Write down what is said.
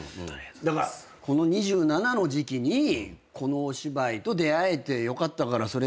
だからこの２７の時期にこのお芝居と出合えて良かったからそれ。